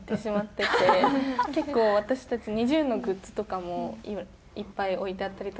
結構私たちＮｉｚｉＵのグッズとかもいっぱい置いてあったりとか。